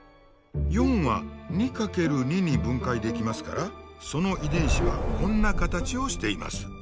４は２×２に分解できますからその遺伝子はこんな形をしています。